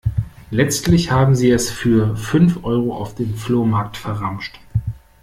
Letztlich haben sie es für fünf Euro auf dem Flohmarkt verramscht.